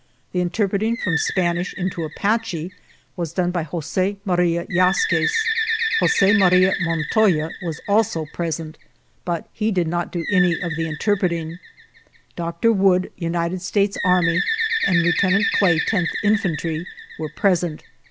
The interpreting from Spanish into Apache was done by Jose Maria Yaskes. Jose Maria Montoya was also present, but he did not do any of the interpreting. "Dr. Wood, United States Army, and Lieutenant Clay, Tenth Infantry, were present.